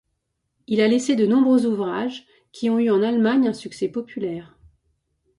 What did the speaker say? Il a laissé de nombreux ouvrages, qui ont eu en Allemagne un succès populaire.